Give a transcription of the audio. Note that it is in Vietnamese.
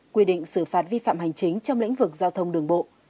quy định xử phạt vi phạm hành chính trong lĩnh vực giao thông đường bộ